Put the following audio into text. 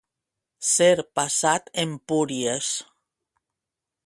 Ser passat Empúries.